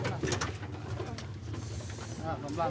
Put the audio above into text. obat tuh bahaga ya